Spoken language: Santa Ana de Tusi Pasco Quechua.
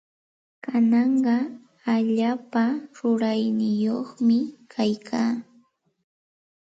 Kanaqa allaapa rurayyuqmi kaykaa.